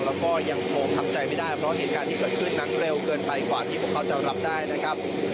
แล้วก็ยังคงทำใจไม่ได้เพราะเหตุการณ์ที่เกิดขึ้นนั้นเร็วเกินไปกว่าที่พวกเขาจะรับได้นะครับ